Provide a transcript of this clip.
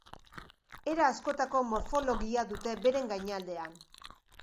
Era askotako morfologia dute beren gainaldean.